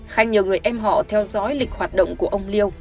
khanh nhờ người em họ theo dõi lịch hoạt động của ông liêu